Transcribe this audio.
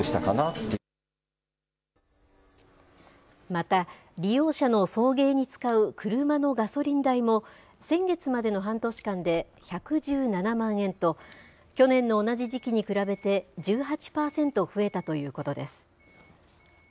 また、利用者の送迎に使う車のガソリン代も、先月までの半年間で１１７万円と、去年の同じ時期に比べて１８％増えたということです。